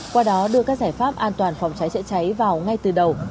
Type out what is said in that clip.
qua đó đưa các giải pháp an toàn phòng cháy chữa cháy vào ngay từ đầu